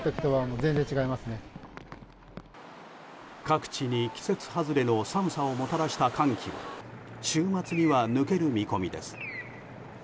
各地に季節外れの寒さをもたらした寒気は週末には抜ける見込みです。